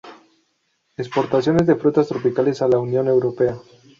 Exportaciones de frutas tropicales a la Unión Europea.